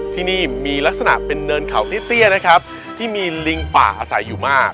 ที่นี่มีลักษณะเป็นเนินเขาเตี้ยนะครับที่มีลิงป่าอาศัยอยู่มาก